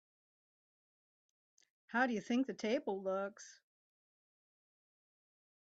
How do you think the table looks?